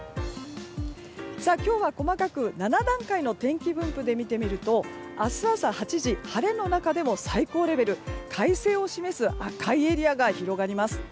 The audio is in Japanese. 今日は細かく７段階の天気分布で見てみると、明日朝８時晴れの中でも最高レベル快晴を示す赤いエリアが広がります。